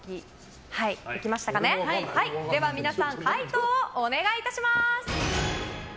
皆さん、解答をお願いいたします。